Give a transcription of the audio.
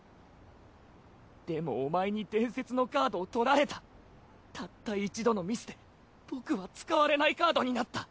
でもお前に伝説のカードをとられたたった一度のミスで僕は使われないカードになった。